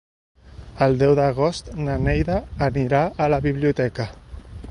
El deu d'agost na Neida anirà a la biblioteca.